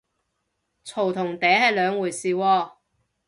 嘈同嗲係兩回事喎